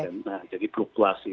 nah jadi fluktuasi